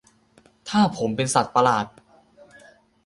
ถ้าผมเป็นสัตว์ประหลาด